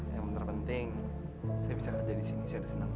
yang penting saya bisa kerja disini saya udah senang pak